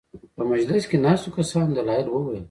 په مجلس کې ناستو کسانو دلایل وویل.